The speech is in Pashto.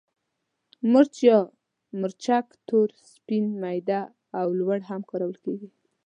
مرچ یا مرچک تور، سپین، میده او لواړ هم کارول کېږي.